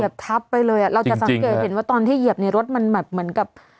ทับไปเลยอ่ะเราจะสังเกตเห็นว่าตอนที่เหยียบในรถมันแบบเหมือนกับ